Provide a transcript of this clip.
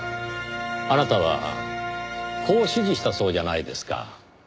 あなたはこう指示したそうじゃないですか。